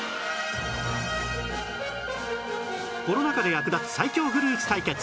コロナ禍で役立つ最強フルーツ対決